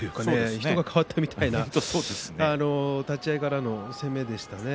人が変わったみたいな立ち合いからの攻めでしたね。